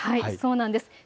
そうなんです。